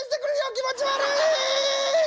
気持ち悪い！